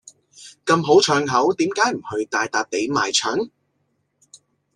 咁好唱口，點解唔去大笪地賣唱。